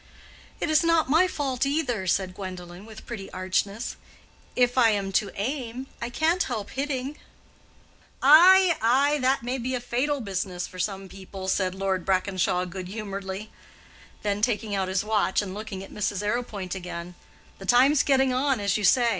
"It is not my fault, either," said Gwendolen, with pretty archness. "If I am to aim, I can't help hitting." "Ay, ay, that may be a fatal business for some people," said Lord Brackenshaw, good humoredly; then taking out his watch and looking at Mrs. Arrowpoint again—"The time's getting on, as you say.